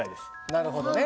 なるほどね。